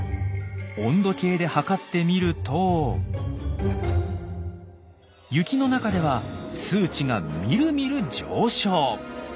温度計で測ってみると雪の中では数値がみるみる上昇。